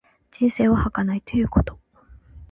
人生は儚いということ。